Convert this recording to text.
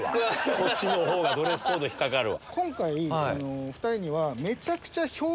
こっちのほうがドレスコード引っ掛かるわ。